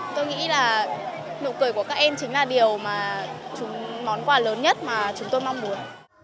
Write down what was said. tôi nghĩ là nụ cười của các em chính là điều mà món quà lớn nhất mà chúng tôi mong muốn